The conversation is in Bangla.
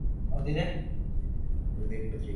এই যে, সবাই!